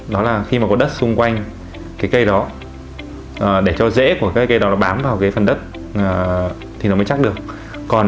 đó là khi mà có đất xung quanh cái cây đó để cho rễ của cái cây đó bám vào cái phần đất thì nó mới chắc được